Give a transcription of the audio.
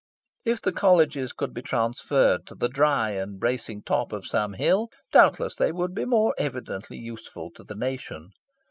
If the Colleges could be transferred to the dry and bracing top of some hill, doubtless they would be more evidently useful to the nation.